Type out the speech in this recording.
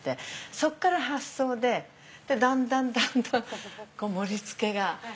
そこから発想でだんだんだんだん盛り付けが。